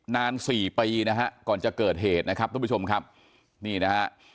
นานสี่ปีนะฮะก่อนจะเกิดเหตุนะครับทุกผู้ชมครับนี่นะฮะ